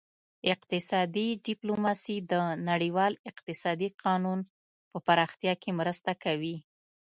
اقتصادي ډیپلوماسي د نړیوال اقتصادي قانون په پراختیا کې مرسته کوي